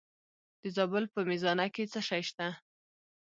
د زابل په میزانه کې څه شی شته؟